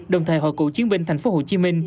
đồng thời hội cựu chiến binh tp hcm